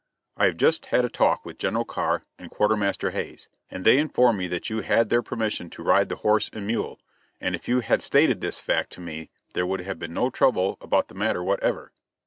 I have just had a talk with General Carr and Quartermaster Hays, and they informed me that you had their permission to ride the horse and mule, and if you had stated this fact to me there would have been no trouble about the matter whatever."